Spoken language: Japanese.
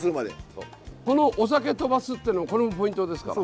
このお酒飛ばすってのもこれもポイントですから。